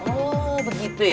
oh begitu ya